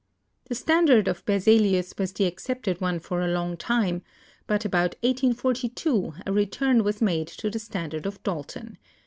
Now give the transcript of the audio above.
The standard of Berzelius was the accepted one for a long time, but about 1842 a return was made to the standard of Dalton.